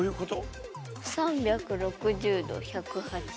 ３６０度１８０。